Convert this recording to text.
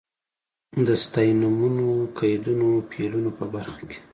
د ستاینومونو، قیدونو، فعلونو په برخه کې.